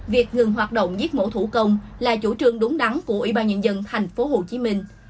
việc ngừng hoạt động giết mổ thủ công là chủ trương đúng đắn của ủy ban nhân dân thành phố hồ chí minh